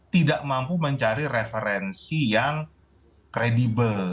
tidak mampu mencari referensi yang kredibel